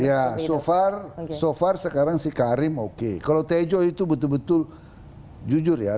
ya so far so far sekarang si karim oke kalau tejo itu betul betul jujur ya